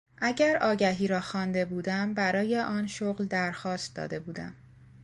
اگر آگهی را خوانده بودم برای آن شغل درخواست داده بودم.